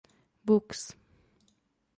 Books.